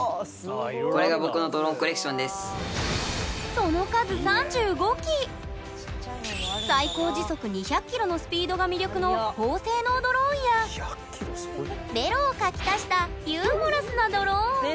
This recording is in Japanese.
その数のスピードが魅力の高性能ドローンやベロを描き足したユーモラスなドローンベロ。